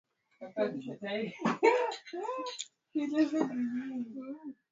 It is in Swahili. kufurahia tofauti na maslahi yako maalum kuifanya